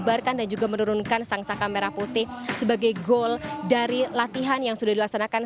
ibar kan dan juga menurunkan sangsaka merah putih sebagai goal dari latihan yang sudah dilaksanakan